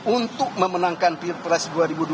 untuk memenangkan pilpres dua ribu dua puluh